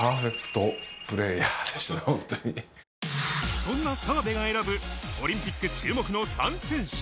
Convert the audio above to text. そんな澤部が選ぶオリンピック注目の３選手。